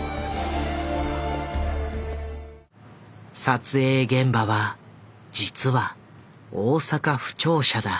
撮影現場は実は大阪府庁舎だ。